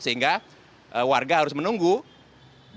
sehingga warga harus menunggu gas ini